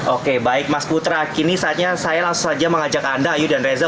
oke baik mas putra kini saatnya saya langsung saja mengajak anda ayu dan reza